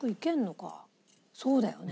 そうだよね。